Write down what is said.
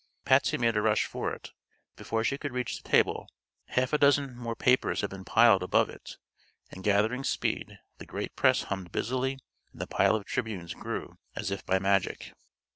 Patsy made a rush for it, but before she could reach the table half a dozen more papers had been piled above it, and gathering speed the great press hummed busily and the pile of Tribunes grew as if by magic.